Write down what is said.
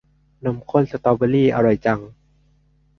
นมข้นสตอเบอร์รี่ อร่อยจัง